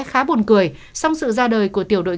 khá buồn cười song sự ra đời của tiểu đội